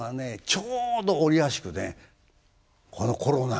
ちょうど折あしくねこのコロナがね